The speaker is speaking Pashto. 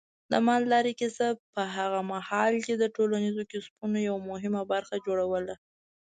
د مالدارۍ کسب په هغه مهال کې د ټولنیزو کسبونو یوه مهمه برخه جوړوله.